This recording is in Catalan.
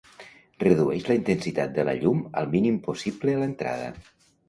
Redueix la intensitat de la llum al mínim possible a l'entrada.